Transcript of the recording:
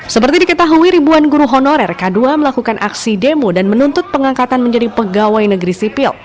seperti diketahui ribuan guru honorer k dua melakukan aksi demo dan menuntut pengangkatan menjadi pegawai negeri sipil